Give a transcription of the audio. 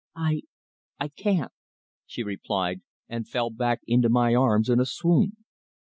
"I I can't!" she replied, and fell back into my arms in a swoon.